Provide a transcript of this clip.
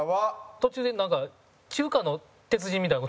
途中で、なんか中華の鉄人みたいな事。